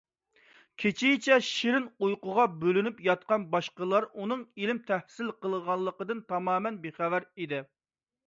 كېچىچە شېرىن ئۇيقۇغا بۆلىنىپ ياتقان باشقىلار ئۇنىڭ ئىلىم تەھسىل قىلغانلىقىدىن تامامەن بىخەۋەر ئىدى.